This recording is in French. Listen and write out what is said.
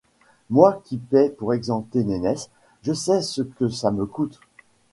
Moi qui paie pour exempter Nénesse, je sais ce que ça me coûte.